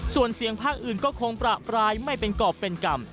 ส่วนเสียงภาคอื่นก็คงประปรายไม่เป็นกรอบเป็นกรรม